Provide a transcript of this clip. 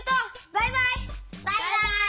バイバイ！